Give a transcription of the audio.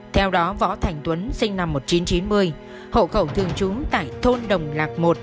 theo đó võ thành tuấn sinh năm một nghìn chín trăm chín mươi hộ khẩu thường trú tại thôn đồng lạc một